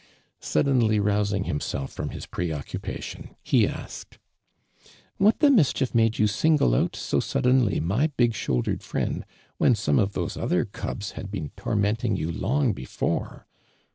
Suddenly rous ing himself from his pre occupation he a ked :•• What the mischief made you single out so suddenly my big shouldered frieiul when ^onio of tlio.>e other cubs hid been tor nieniiiig you long before